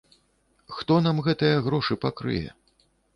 Хто нам гэтыя грошы пакрые?